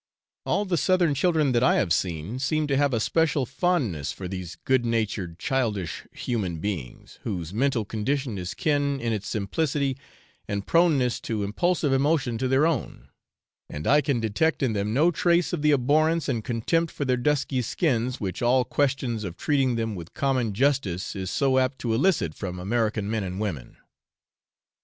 All the southern children that I have seen seem to have a special fondness for these good natured childish human beings, whose mental condition is kin in its simplicity and proneness to impulsive emotion to their own, and I can detect in them no trace of the abhorrence and contempt for their dusky skins which all questions of treating them with common justice is so apt to elicit from American men and women.